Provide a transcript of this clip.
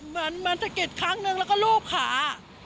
มาสะกิดครั้งหนึ่งแล้วก็ลูบขา